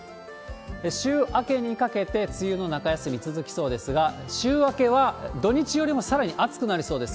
週明けにかけて梅雨の中休み続きそうですが、週明けは土日よりもさらに暑くなりそうです。